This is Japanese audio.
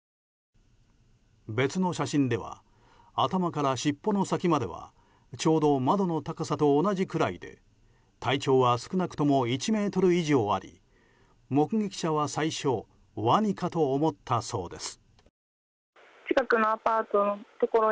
別の写真では頭からしっぽの先まではちょうど窓の高さと同じくらいで体長は少なくとも１ｍ以上あり目撃者は最初ワニかと思ったそうです。